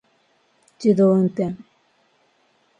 自動運転